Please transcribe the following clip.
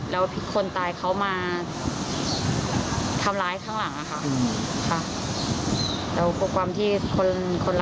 แล้วคนตายเขามาทำร้ายข้างหลังค่ะ